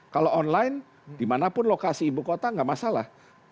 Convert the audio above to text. kalau online dimanapun lokasi ibu kota nggak masalah